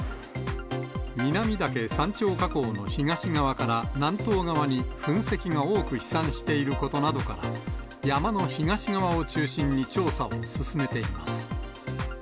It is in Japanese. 南岳山頂火口の東側から南東側に、噴石が多く飛散していることなどから、山の東側を中心に調査を進めています。